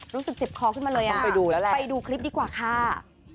รู้สึกเจ็บคอขึ้นมาเลยไปดูคลิปดีกว่าค่ะ